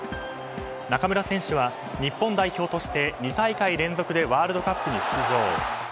中村選手は日本代表として２大会連続でワールドカップに出場。